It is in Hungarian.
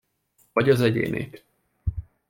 Vagy az egyénét.